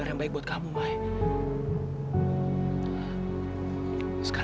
kalo gilturt nanti kamu biarkan kita